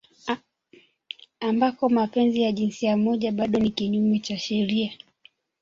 ambako mapenzi ya jinsia moja bado ni kinyume cha sheria